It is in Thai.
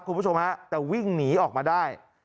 คุณผู้ชมฮะแต่วิ่งหนีออกมาได้